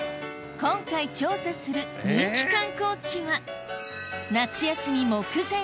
今回調査する人気観光地は夏休み目前！